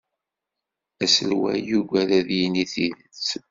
Aselway yuggad ad d-yini tidet.